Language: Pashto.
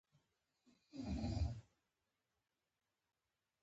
فیلادلفیا ښار